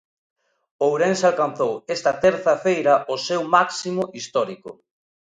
Ourense alcanzou esta terza feira o seu máximo histórico.